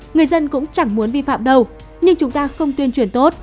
người dân cũng chẳng muốn vi phạm đâu nhưng chúng ta không tuyên truyền tốt